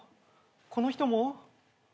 この人も？